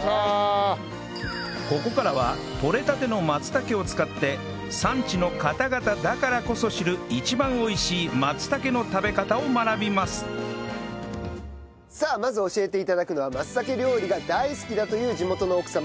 ここからは採れたての松茸を使って産地の方々だからこそ知る一番美味しい松茸の食べ方を学びますさあまず教えて頂くのは松茸料理が大好きだという地元の奥様